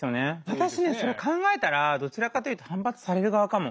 私ねそれ考えたらどちらかというと反発される側かも。